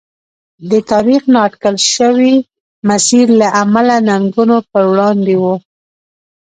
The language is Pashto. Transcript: د تاریخ نااټکل شوي مسیر له امله ننګونو پر وړاندې و.